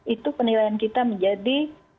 itu penilaian kita menjadi